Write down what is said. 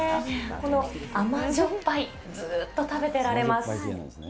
この甘じょっぱい、ずっと食べてられます。